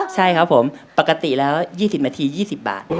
ใช่ครับผมปกติแล้ว๒๐นาที๒๐บาท